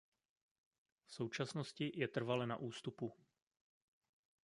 V současnosti je trvale na ústupu.